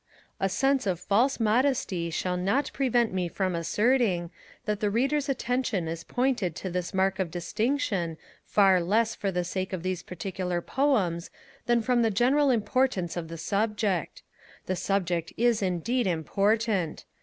A sense of false modesty shall not prevent me from asserting, that the Reader's attention is pointed to this mark of distinction, far less for the sake of these particular Poems than from the general importance of the subject. The subject is indeed important!